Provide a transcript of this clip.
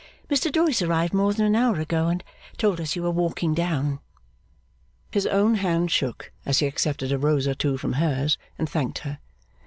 Mr Doyce arrived more than an hour ago, and told us you were walking down.' His own hand shook, as he accepted a rose or two from hers and thanked her.